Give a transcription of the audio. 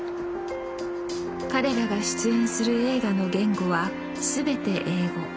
彼らが出演する映画の言語は全て英語。